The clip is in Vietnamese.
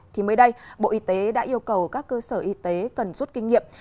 thì mới đây bộ y tế đã yêu cầu các cơ sở y tế cần rút kinh nghiệm